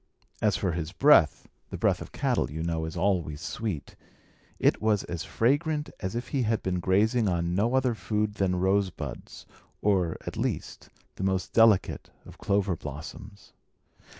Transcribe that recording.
As for his breath the breath of cattle, you know, is always sweet it was as fragrant as if he had been grazing on no other food than rosebuds, or, at least, the most delicate of clover blossoms.